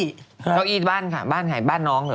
เก้าอี้บ้านค่ะบ้านใครบ้านน้องเหรอ